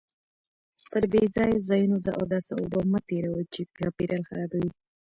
پر بې ځایه ځایونو د اوداسه اوبه مه تېروئ چې چاپیریال خرابوي.